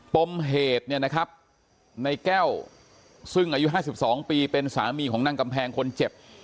ปมเหตุในแก้วซึ่งอายุ๕๒ปีเป็นสามีของนั่งกำแพงคนเจ็บ